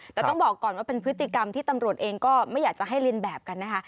แต่ต้องบอกก่อนว่าเป็นพฤติกรรมที่ตำรวจเองก็ไม่อยากจะให้เรียนแบบกันนะคะ